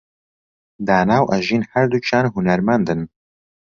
دانا و ئەژین هەردووکیان هونەرمەندن.